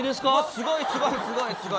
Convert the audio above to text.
すごい、すごい。